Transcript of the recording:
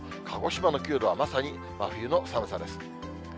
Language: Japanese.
鹿児島の９度はまさに真冬の寒さです。